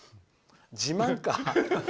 自慢か。